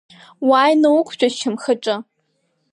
Уааины уқәтәа сшьамхаҿы!